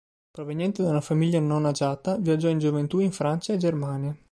Proveniente da una famiglia non agiata, viaggiò in gioventù in Francia e Germania.